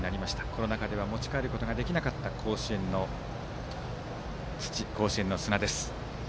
コロナ禍で持ち帰ることができなかった甲子園の砂です。